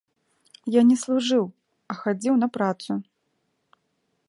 Я не служыў, а хадзіў на працу.